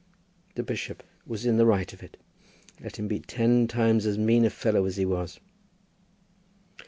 The bishop was in the right of it, let him be ten times as mean a fellow as he was.